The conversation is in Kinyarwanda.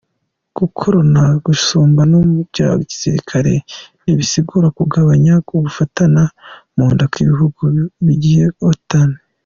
Gukorona gusumba mu vya gisirikare ntibisigura kugabanya ugufatana munda kw’ibihugu bigize Otan.